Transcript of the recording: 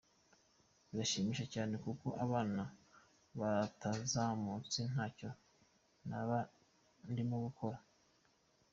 Biranshimisha cyane kuko abana batazamutse ntacyo naba ndimo ndakora.